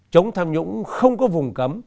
chống tham nhũng không có vùng cấm